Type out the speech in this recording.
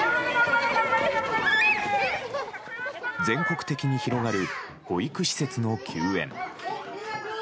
全国的に広がる保育施設の休園。